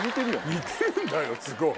似てるんだよすごい。